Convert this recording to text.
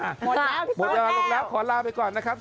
หมดแล้วหมดเวลาลงแล้วขอลาไปก่อนนะครับ